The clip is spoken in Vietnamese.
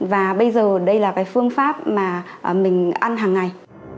và bây giờ đây là cái phương pháp mà mình ăn hàng ngày